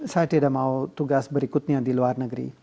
saya tidak mau tugas berikutnya di luar negeri